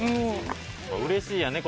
うれしいよね。